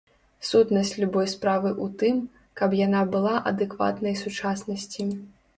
Сутнасць любой справы ў тым, каб яна была адэкватнай сучаснасці.